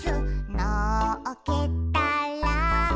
「のっけたら」